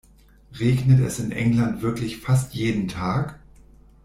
Regnet es in England wirklich fast jeden Tag?